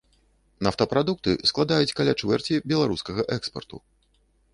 Нафтапрадукты складаюць каля чвэрці беларускага экспарту.